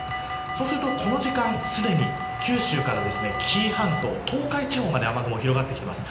そうすると、この時間すでに九州から紀伊半島、東海地方まで雨雲が広がってきます。